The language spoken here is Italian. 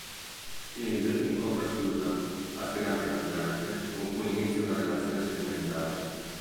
Steve incontra Susan, aspirante cantante, con cui inizia una relazione sentimentale.